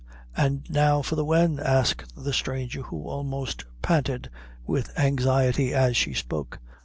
"An' now for the when?" asked the stranger, who almost panted with anxiety as she spoke.